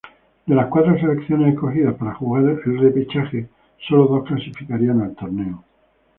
De las cuatro selecciones escogidas para jugar el repechaje, sólo dos clasificarían al torneo.